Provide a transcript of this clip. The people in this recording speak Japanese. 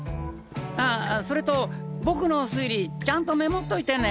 あぁそれと僕の推理ちゃんとメモっといてね！